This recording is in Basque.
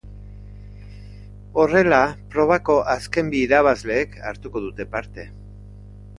Horrela, probako azken bi irabazleek hartuko dute parte.